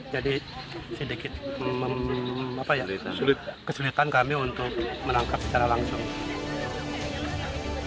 jadi sedikit kesulitan kami untuk menangkap secara langsung